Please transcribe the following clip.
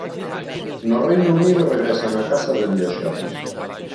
No Reino Unido regresan á casa desde o xoves.